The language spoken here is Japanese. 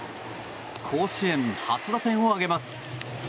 甲子園初打点を挙げます。